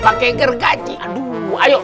pake gergaji aduh ayo